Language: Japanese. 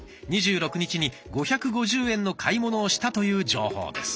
２６日に５５０円の買い物をしたという情報です。